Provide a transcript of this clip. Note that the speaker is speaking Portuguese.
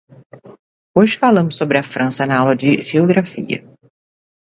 Hoje falamos sobre a França na aula de geografia.